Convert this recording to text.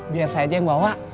biar saya aja yang bawa